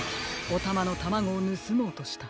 おたまのタマゴをぬすもうとした。